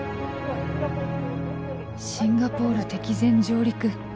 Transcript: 「シンガポール敵前上陸！